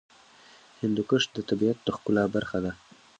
هندوکش د طبیعت د ښکلا برخه ده.